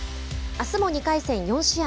あすも２回戦４試合。